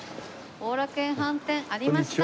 後楽園飯店ありました。